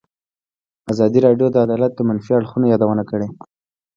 ازادي راډیو د عدالت د منفي اړخونو یادونه کړې.